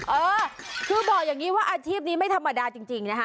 เออคือบอกอย่างนี้ว่าอาชีพนี้ไม่ธรรมดาจริงนะคะ